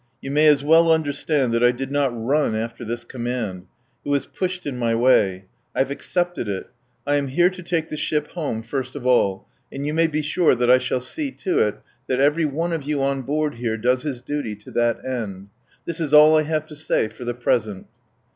"You may as well understand that I did not run after this command. It was pushed in my way. I've accepted it. I am here to take the ship home first of all, and you may be sure that I shall see to it that every one of you on board here does his duty to that end. This is all I have to say for the present."